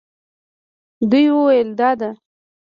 دوی وویل دا ده.